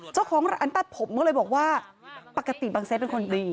เจ้าของร้านตัดผมก็เลยบอกว่าปกติบังเซฟเป็นคนตี